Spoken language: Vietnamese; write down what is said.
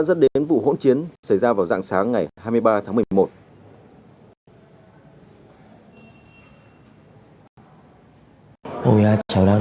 dẫn đến vụ hỗn chiến xảy ra vào dạng sáng ngày hai mươi ba tháng một mươi một